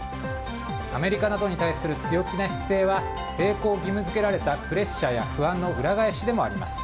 アメリカなどに対する強気な姿勢は成功を義務付けられたプレッシャーや不安の裏返しでもあります。